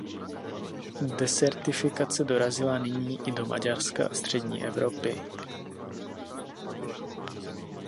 Desertifikace dorazila nyní i do Maďarska a střední Evropy.